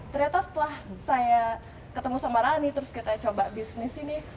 ternyata setelah saya ketemu sama rani terus kita coba bisnis ini